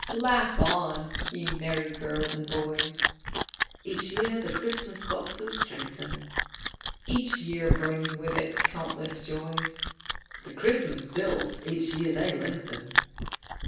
_) Laugh on, ye merry girls and boys! (Each year the Christmas boxes strengthen,) Each year brings with it countless joys; (_The Christmas bills each year they lengthen.